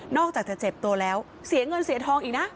อกจากจะเจ็บตัวแล้วเสียเงินเสียทองอีกนะ